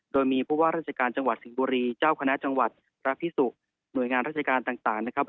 โดยมีผู้ว่าราชการจังหวัดสิงห์บุรีเจ้าคณะจังหวัดพระพิสุหน่วยงานราชการต่างนะครับ